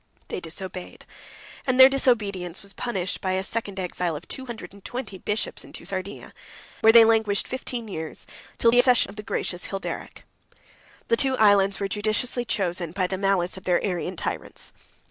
They disobeyed, and their disobedience was punished by a second exile of two hundred and twenty bishops into Sardinia; where they languished fifteen years, till the accession of the gracious Hilderic. 96 The two islands were judiciously chosen by the malice of their Arian tyrants.